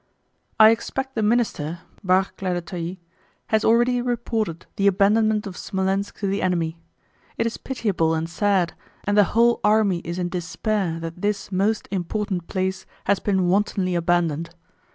I expect the Minister (Barclay de Tolly) has already reported the abandonment of Smolénsk to the enemy. It is pitiable and sad, and the whole army is in despair that this most important place has been wantonly abandoned.